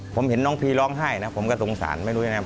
ผมเห็นน้องพีร้องไห้นะผมก็สงสารไม่รู้ยังไง